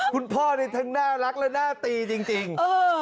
คุณพ่อนี่ทั้งน่ารักและหน้าตีจริง